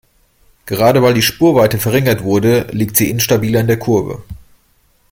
Gerade weil die Spurweite verringert wurde, liegt sie instabiler in der Kurve.